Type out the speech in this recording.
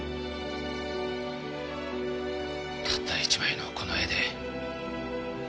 たった一枚のこの絵で。